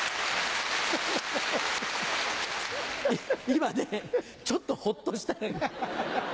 今ねちょっとホッとした。